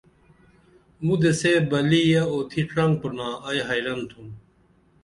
مُدے سے بلِیہ اُوتھی ڇھنگ پرِنا ائی حیرن تُھم